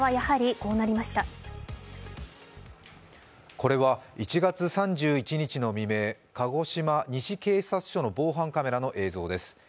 これは１月３１日の未明、鹿児島西警察署の防犯カメラの映像です。